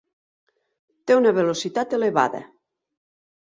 Té una velocitat elevada.